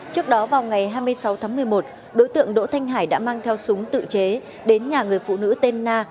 trước đó vào ngày hai mươi sáu tháng một mươi một đối tượng đỗ thanh hải đã mang theo súng tự chế đến nhà người phụ nữ tên na